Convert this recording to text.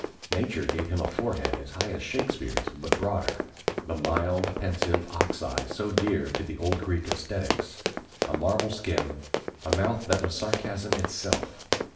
Nature gave him a forehead as high as Shakespeare's, but broader; the mild, pensive ox eye so dear to the old Greek æsthetes; a marble skin, a mouth that was sarcasm itself.